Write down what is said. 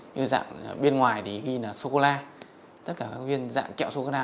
như dạng bên ngoài thì ghi là sô cô la tất cả các viên dạng kẹo sô cô la